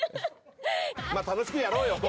まあ楽しくやろうよ。